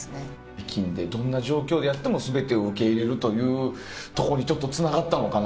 北京でどんな状況でやっても全てを受け入れるというとこにちょっとつながったのかな。